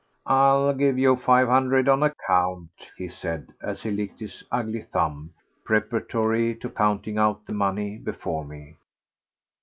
"I'll give you five hundred on account," he said as he licked his ugly thumb preparatory to counting out the money before me.